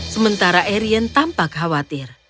sementara arian tanpa khawatir